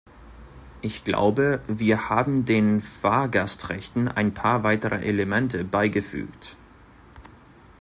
Ich glaube, wir haben den Fahrgastrechten ein paar weitere Elemente beigefügt.